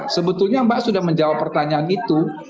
sebetulnya mbak sudah menjawab pertanyaan itu